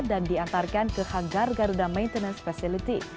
dan diantarkan ke hangar garuda maintenance facility